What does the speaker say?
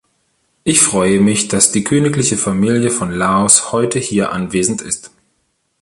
Ich freue mich, dass die königliche Familie von Laos heute hier anwesend ist.